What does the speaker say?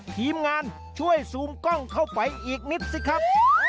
ทีมงานช่วยซูมกล้องเข้าไปอีกนิดสิครับ